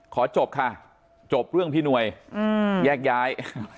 ขอจบค่ะจบเรื่องพี่หน่วยแยกย้าย